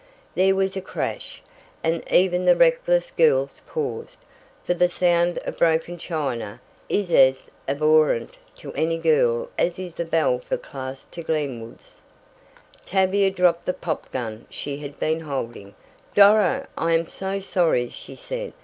There was a crash, and even the reckless girls paused, for the sound of broken china is as abhorrent to any girl as is the bell for class to the Glenwoods. Tavia dropped the pop gun she had been holding. "Doro, I am so sorry," she said.